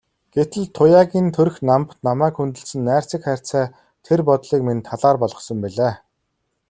Гэтэл Туяагийн төрх намба, намайг хүндэлсэн найрсаг харьцаа тэр бодлыг минь талаар болгосон билээ.